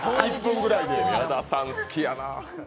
矢田さん、好きやな。